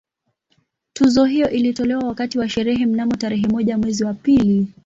Tuzo hiyo ilitolewa wakati wa sherehe mnamo tarehe moja mwezi wa pili